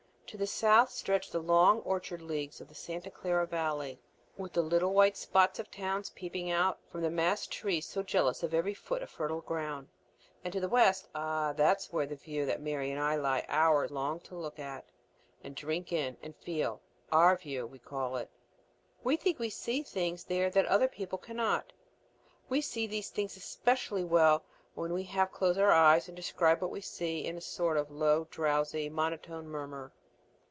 To the south stretch the long orchard leagues of the Santa Clara Valley, with the little white spots of towns peeping out from the massed trees so jealous of every foot of fertile ground. And to the west ah, that is the view that Mary and I lie hours long to look at and drink in and feel, "our view," we call it. We think we see things there that other people cannot. We see these things especially well when we half close our eyes, and describe what we see in a sort of low, drowsy, monotone murmur.